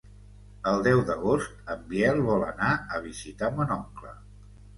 El deu d'agost en Biel vol anar a visitar mon oncle.